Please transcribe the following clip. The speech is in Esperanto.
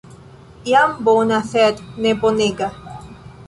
Jam bona sed ne bonega.